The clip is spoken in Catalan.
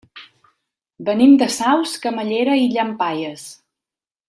Venim de Saus, Camallera i Llampaies.